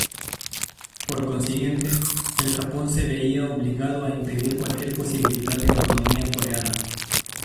Por consiguiente, el Japón se veía obligado a impedir cualquier posibilidad de autonomía coreana.